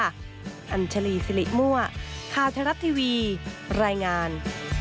อันเจลี่สิริมัวขาวทะลับทีวีรายงาน